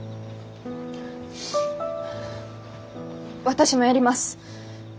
私もやります。